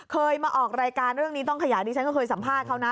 เคยมาออกรายการเรื่องนี้ต้องขยายดิฉันก็เคยสัมภาษณ์เขานะ